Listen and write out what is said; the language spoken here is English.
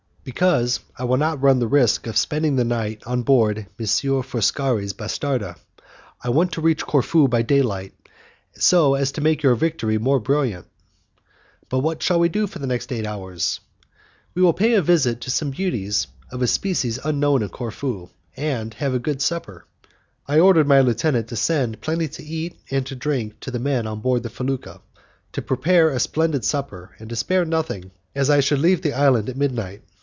"Because I will not run the risk of spending the night on board M. Foscari's bastarda. I want to reach Corfu by daylight, so as to make your victory more brilliant." "But what shall we do for the next eight hours?" "We will pay a visit to some beauties of a species unknown in Corfu, and have a good supper." I ordered my lieutenant to send plenty to eat and to drink to the men on board the felucca, to prepare a splendid supper, and to spare nothing, as I should leave the island at midnight.